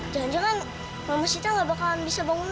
jangan jangan mama sita gak bakalan bisa bangun lagi ya nih